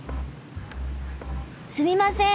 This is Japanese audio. すみません。